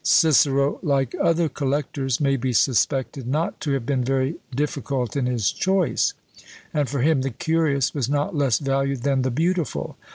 Cicero, like other collectors, may be suspected not to have been very difficult in his choice, and for him the curious was not less valued than the beautiful.